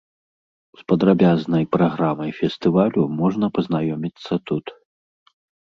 З падрабязнай праграмай фестывалю можна пазнаёміцца тут.